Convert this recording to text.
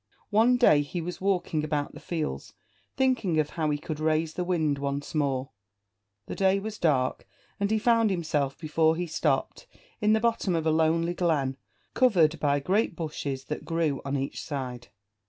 One day he was walking about the fields, thinking of how he could raise the wind once more; the day was dark, and he found himself, before he stopped, in the bottom of a lonely glen covered by great bushes that grew on each side.